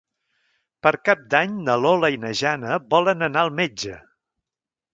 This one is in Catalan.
Per Cap d'Any na Lola i na Jana volen anar al metge.